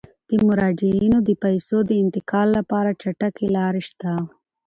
د مراجعینو د پيسو د انتقال لپاره چټکې لارې شته.